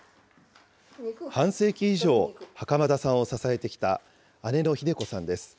半世紀以上、袴田さんを支えてきた姉のひで子さんです。